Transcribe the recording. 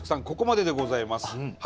ここまででございます。